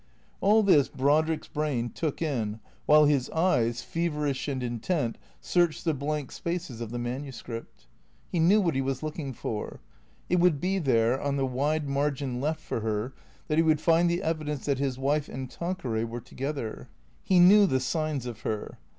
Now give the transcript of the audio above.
All this Brodrick's brain took in while his eyes, feverish and intent, searched the blank spaces of the manuscript. He knew what he was looking for. It would be there, on the wide margin left for her, that he would find the evidence that his wife and Tanqueray were together. He knew the signs of her.